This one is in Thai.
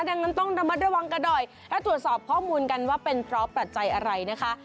ดังนั้นต้องระมัดระวังกันหน่อยและตรวจสอบข้อมูลกันว่าเป็นเพราะปัจจัยอะไรนะคะ